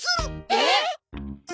えっ！？